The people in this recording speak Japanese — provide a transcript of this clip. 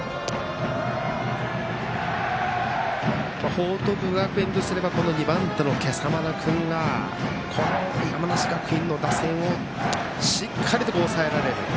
報徳学園とすればこの２番手の今朝丸君が山梨学院の打線をしっかりと抑えられる。